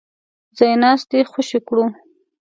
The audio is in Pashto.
ځای ناستي خوشي کړو.